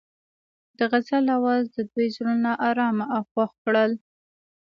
د غزل اواز د دوی زړونه ارامه او خوښ کړل.